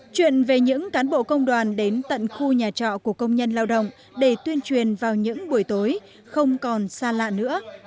chuyện về những cán bộ công đoàn đến tận khu nhà trọ của công nhân lao động để tuyên truyền vào những buổi tối không còn xa lạ nữa